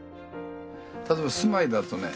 例えば住まいだとね